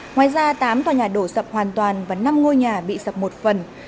ngoài ra tám tòa nhà đổ sập hoàn toàn và năm ngôi nhà bị sập một phần